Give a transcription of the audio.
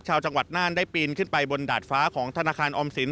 ชาวจังหวัดน่านได้ปีนขึ้นไปบนดาดฟ้าของธนาคารออมสิน